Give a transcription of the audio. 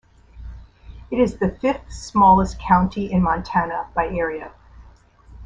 It is the fifth-smallest county in Montana by area.